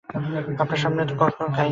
আপনার সামনে তো কখনো খাই নি।